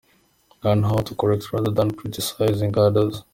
learn how to correct rather than criticising others,.